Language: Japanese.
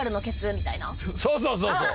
そうそうそうそう。